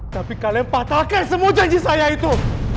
tapi kalian patahkan semua janji saya itu